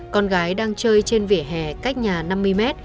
con gái đang chơi trên vỉa hè cách nhà năm mươi mét